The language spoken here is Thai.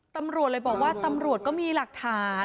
ตำรวจเลยบอกว่าตำรวจก็มีหลักฐาน